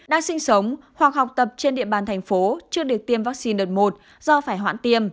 đang sinh sống hoặc học tập trên địa bàn thành phố chưa được tiêm vaccine đợt một do phải hoãn tiêm